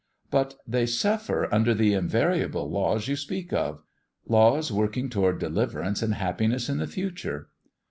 "But they suffer under the invariable laws you speak of laws working towards deliverance and happiness in the future."